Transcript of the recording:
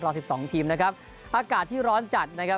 สิบสองทีมนะครับอากาศที่ร้อนจัดนะครับ